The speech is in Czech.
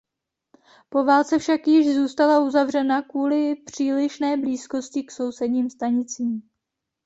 Po válce však již zůstala uzavřena kvůli přílišné blízkosti k sousedním stanicím.